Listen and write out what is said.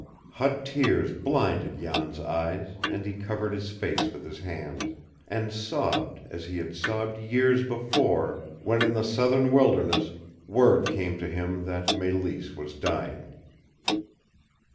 Hot tears blinded Jan's eyes and he covered his face with his hands, and sobbed as he had sobbed years before, when in the southern wilderness word came to him that Mélisse was dying.